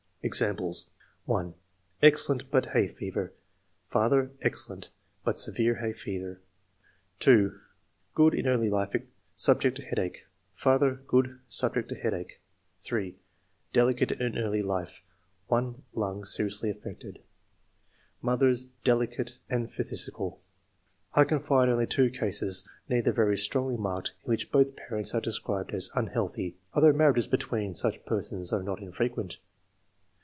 Examples: — 1. "Excellent, but hay fever ; father, excellent, but severe hay fever." 2. "Good in early life, subject to head ache ; father, good, subject to headache." 3. ^* Delicate in early life, one lung seriously 102 ENGLISH MEN OF SCIENCE. [chap. affected ; mother delicate and phthisical." I can find only two cases, neither very strongly marked, in which both parents are described as unhealthy, although marriages between such persons are not infrequent.